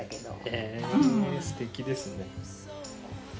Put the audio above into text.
へぇすてきですね。